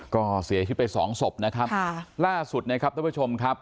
ก็เสียชีวิตไปสองศพนะครับค่ะล่าสุดนะครับท่านผู้ชมครับ